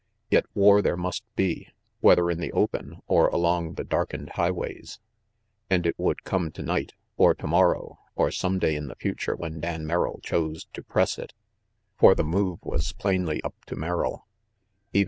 Yet war there must be, whether in the open or along the darkened highways; and it would come tonight, or tomorrow, or some day in the future when Dan Merrill chose to press it. For the move was plainly up to Merrill.